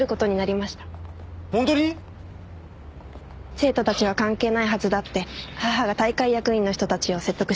生徒たちは関係ないはずだって母が大会役員の人たちを説得してくれて。